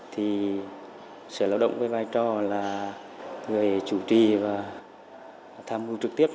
thì sở lao động với vai trò là người chủ trì và tham mưu trực tiếp